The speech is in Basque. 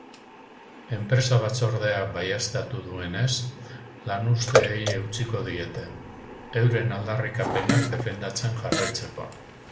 Enpresa-batzordeak baieztatu duenez, lanuzteei eutsiko diete, euren aldarrikapenak defendatzen jarraitzeko.